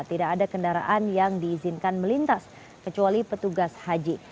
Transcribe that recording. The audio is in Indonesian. tidak ada kendaraan yang diizinkan melintas kecuali petugas haji